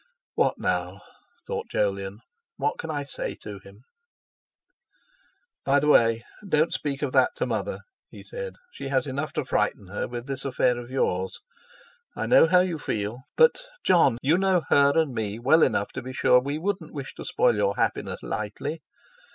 'What now?' thought Jolyon. 'What can I say to move him?' "By the way, don't speak of that to Mother," he said; "she has enough to frighten her with this affair of yours. I know how you feel. But, Jon, you know her and me well enough to be sure we wouldn't wish to spoil your happiness lightly.